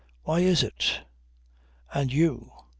"Why is it? And you?